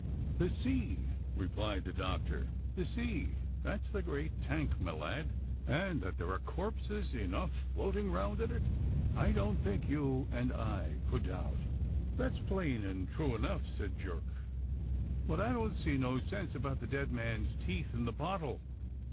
^" "The sea," replied the Doctor, "the sea; that's the great tank, my lad, and that there are corpses enough floating round in it, I don't think you and I could doubt." "That's plain and true enough," said Jerk, "but I don't see no sense about the 'dead man's teeth in the bottle.'"